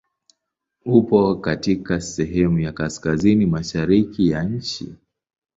Upo katika sehemu ya kaskazini mashariki ya nchi.